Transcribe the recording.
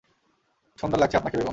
সুন্দর লাগছে আপনাকে বেগম।